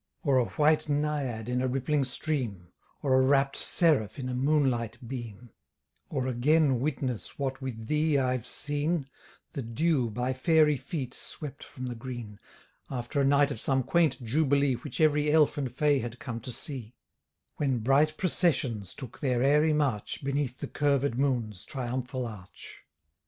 Or a white Naiad in a rippling stream; Or a rapt seraph in a moonlight beam; Or again witness what with thee I've seen, The dew by fairy feet swept from the green, After a night of some quaint jubilee Which every elf and fay had come to see: When bright processions took their airy march Beneath the curved moon's triumphal arch.